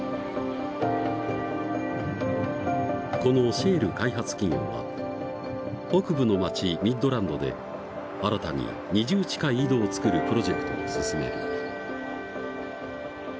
このシェール開発企業は北部の町ミッドランドで新たに２０近い井戸を作るプロジェクトを進める。